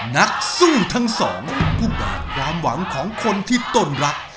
นักสู้ทั้งสองผู้บาดความหวังของคนที่ต้นรัก